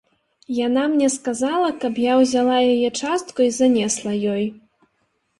Яна мне сказала, каб я ўзяла яе частку і занесла ёй.